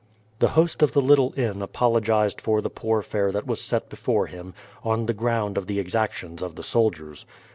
The host of the little inn apologized for the poor fare that was set before him, on the ground of the exactions of the soldiers.